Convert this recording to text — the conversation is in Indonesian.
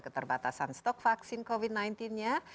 keterbatasan stok vaksin covid sembilan belas nya